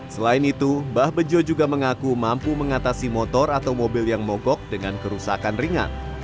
selain itu mbah bejo juga mengaku mampu mengatasi motor atau mobil yang mogok dengan kerusakan ringan